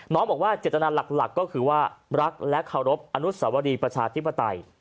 บอกว่าเจตนาหลักก็คือว่ารักและเคารพอนุสวรีประชาธิปไตย